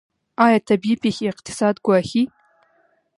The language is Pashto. آیا طبیعي پیښې اقتصاد ګواښي؟